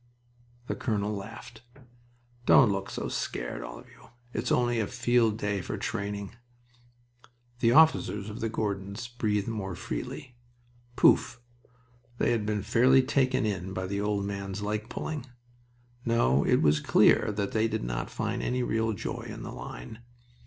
The colonel laughed. "Don't look so scared, all of you! It's only a field day for training." The officers of the Gordons breathed more freely. Poof! They had been fairly taken in by the "old man's" leg pulling... No, it was clear they did not find any real joy in the line.